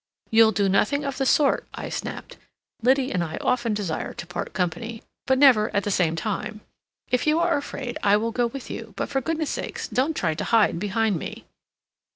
"You'll do nothing of the sort," I snapped. Liddy and I often desire to part company, but never at the same time. "If you are afraid, I will go with you, but for goodness' sake don't try to hide behind me."